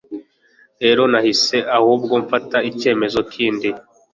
Rero nahise ahubwo mfata icyemezo kindi